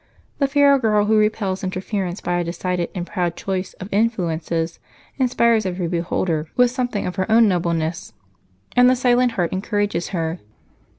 "'The fair girl who repels interference by a decided and proud choice of influences inspires every beholder with something of her own nobleness; and the silent heart encourages her.